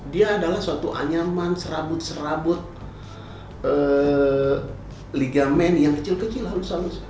dia adalah suatu anyaman serabut serabut ligamen yang kecil kecil harus harus